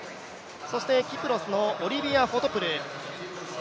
そしてキプロスのオリビア・フォトプル。